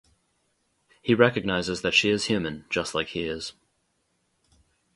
He recognizes that she is human, just like he is.